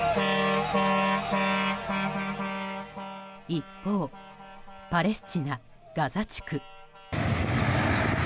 一方、パレスチナ・ガザ地区。